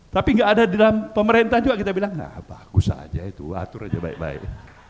tapi nggak ada di dalam pemerintah juga kita bilang nah bagus aja itu atur aja baik baik